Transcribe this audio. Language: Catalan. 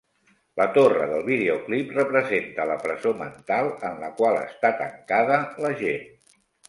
La torre del videoclip representa la presó mental en la qual està tancada la gent.